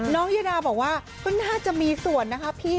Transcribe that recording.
ยาดาบอกว่าก็น่าจะมีส่วนนะคะพี่